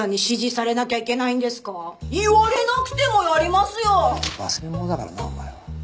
忘れん坊だからなお前は。